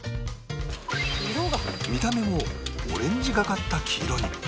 見た目もオレンジがかった黄色に